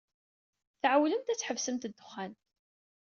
Tɛewwlemt ad tḥebsemt ddexxan.